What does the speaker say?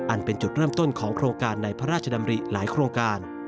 อันเป็นจุดเริ่มต้นของพระราชดำริหลายโครงการ